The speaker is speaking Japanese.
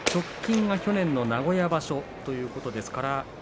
直近は去年の名古屋場所ということです。